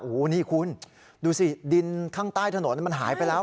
โอ้โหนี่คุณดูสิดินข้างใต้ถนนมันหายไปแล้ว